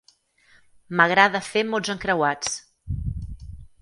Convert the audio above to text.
M'agrada fer mots encreuats.